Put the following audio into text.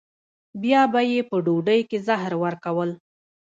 بیا به یې په ډوډۍ کې زهر ورکړل.